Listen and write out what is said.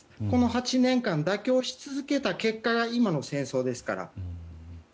この８年間、妥協し続けた結果が今の戦争ですから。